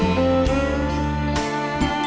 ขอบคุณครับ